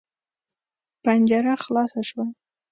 پنجره خلاصه شوه.